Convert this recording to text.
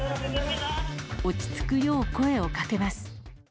落ち着くよう、声をかけます。